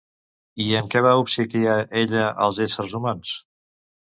I amb què va obsequiar ella als éssers humans?